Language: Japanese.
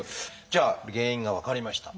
じゃあ原因が分かりました。